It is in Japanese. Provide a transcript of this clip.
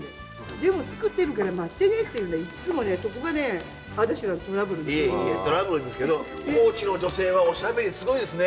「でも作ってるから待ってね」って言うのにいつもねそこがね私らのトラブルですけど高知の女性はおしゃべりすごいですね。